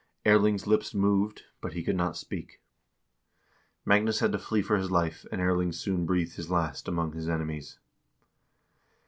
Erling's lips moved, but he could not speak. Magnus had to flee for his life, and Erling soon breathed his last among his enemies.